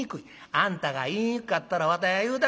「あんたが言いにくかったらわてが言うたげま。